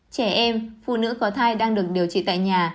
trẻ em phụ nữ có thai đang được điều trị tại nhà